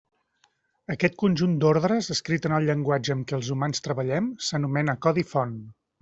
Aquest conjunt d'ordres, escrit en el llenguatge amb què els humans treballem, s'anomena codi font.